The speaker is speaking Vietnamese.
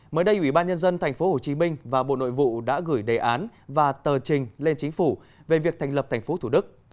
mới đây ủy ban nhân dân tp hcm và bộ nội vụ đã gửi đề án và tờ trình lên chính phủ về việc thành lập tp thủ đức